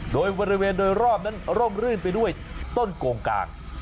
โดยบริเวณโดยรอบนั้นร่มรื่นไปด้วยต้นโกงกลาง